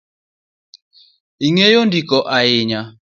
Ing’eyo ndiko ahinya